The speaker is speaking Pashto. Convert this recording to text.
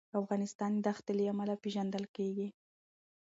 افغانستان د ښتې له مخې پېژندل کېږي.